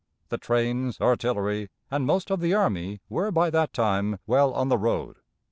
The trains, artillery, and most of the army were by that time well on the road.